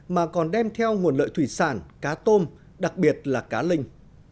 mà còn đem theo nguồn lợi thủy sản cá tôm đặc biệt là cá linh